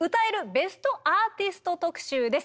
ベストアーティスト特集」です。